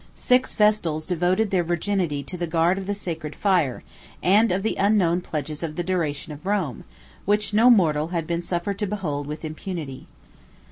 Six Vestals devoted their virginity to the guard of the sacred fire, and of the unknown pledges of the duration of Rome; which no mortal had been suffered to behold with impunity.